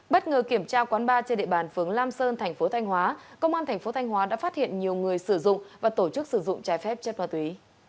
bất ngờ kiểm tra quán ba trên địa bàn phướng lam sơn thành phố thanh hóa công an thành phố thanh hóa đã phát hiện nhiều người sử dụng và tổ chức sử dụng trái phép chất ma túy